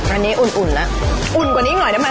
อันนี้อุ่นอุ่นอุ่นกว่านี้อีกหน่อยได้มั้ย